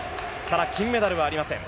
金メダルはありません。